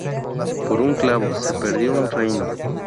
Por un clavo, se perdió un reino